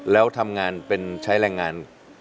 แล้วทำงานเป็นใช้แรงงาน